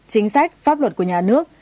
chính sách pháp luật của nhà nước